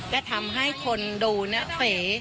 และทำให้คนดูเนอะเฟ๋